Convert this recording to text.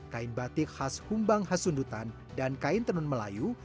kain batik khas hembang khas sundutan dan kain tenun melayu